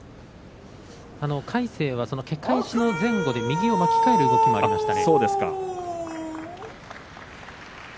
魁聖はけ返しの前後で右を巻き替える動きがありました。